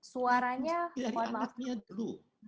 suaranya mohon maaf